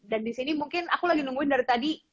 dan disini mungkin aku lagi nungguin dari tadi